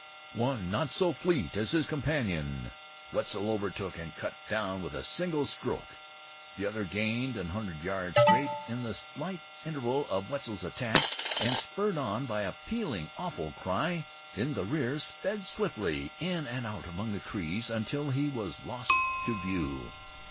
One, not so fleet as his companion, Wetzel overtook and cut down with a single stroke. The other gained an hundred yard start in the slight interval of Wetzel's attack, and, spurred on by a pealing, awful cry in the rear, sped swiftly in and out among the trees until he was lost to view.